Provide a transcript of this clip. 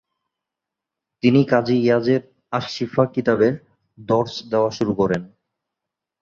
তিনি কাযি ইয়াজের আশশিফা কিতাবের দরস দেয়া শুরু করেন।